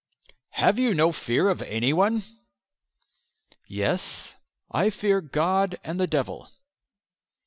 "Have you no fear of anyone?" "Yes, I fear God and the devil."